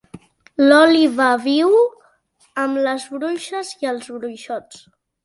L'òliba viu amb les bruixes i els bruixots.